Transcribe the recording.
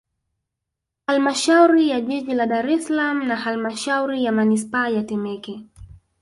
Halmashauri ya Jiji la Dar es Salaam na Halmashauri ya Manispaa ya Temeke